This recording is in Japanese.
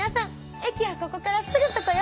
駅はここからすぐそこよ！